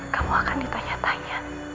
kamu akan ditanya tanya